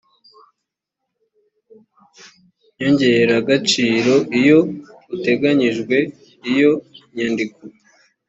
nyongeragaciro iyo uteganyijwe iyo nyandiko